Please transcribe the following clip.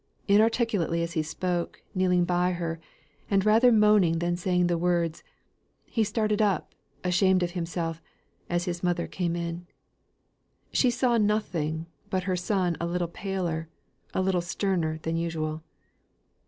Inarticulately as he spoke, kneeling by her, and rather moaning than saying the words, he started up, ashamed of himself, as his mother came in. She saw nothing, but her son a little paler, a little sterner than usual.